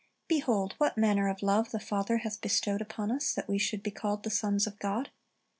"Behold, what manner of love the Father hath bestowed upon us, that we should be called the sons of God."